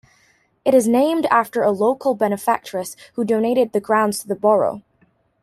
It is named after a local benefactress who donated the grounds to the borough.